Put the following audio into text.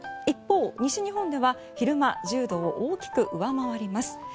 一方、西日本では昼間１０度を大きく上回ります。